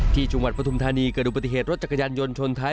ที่จุงวัดพทุมธานีเกิดอุบัติเหตุรถจักรยานยนต์ชนท้าย